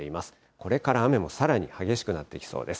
これから雨もさらに激しくなってきそうです。